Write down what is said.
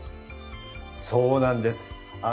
そうなんです。